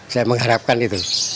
saya mengharapkan itu